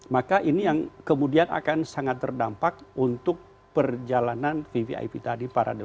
maka ini yang kemudian akan sangat terdampak untuk perjalanan vvip tadi parade